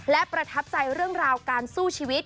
และประทับใจเรื่องราวการสู้ชีวิต